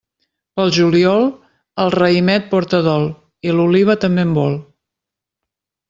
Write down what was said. Pel juliol, el raïmet porta dol, i l'oliva també en vol.